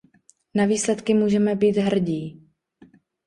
Na výsledky můžeme být hrdí.